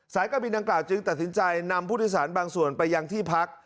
สายการบินอังกฎจึงตัดสินใจนำพุทธศาสตร์บางส่วนไปยังที่พัก